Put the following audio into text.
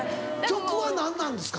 曲は何なんですか？